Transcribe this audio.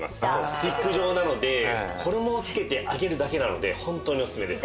スティック状なので衣をつけて揚げるだけなのでホントにオススメです。